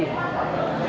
turun tangan sendiri